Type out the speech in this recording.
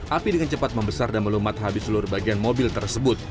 api dengan cepat membesar dan melumat habis seluruh bagian mobil tersebut